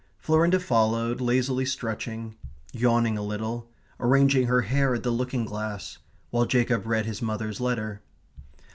Florinda followed, lazily stretching; yawning a little; arranging her hair at the looking glass while Jacob read his mother's letter.